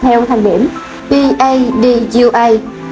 theo thang điểm padua